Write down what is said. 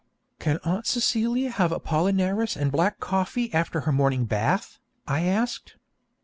'Can Aunt Celia have Apollinaris and black coffee after her morning bath?' I asked.